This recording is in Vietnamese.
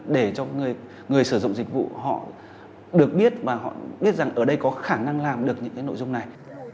để cho người sử dụng dịch vụ họ được biết và họ biết rằng ở đây có khả năng làm được những cái nội dung này